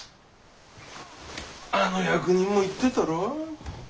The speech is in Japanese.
あの役人も言ってたろう？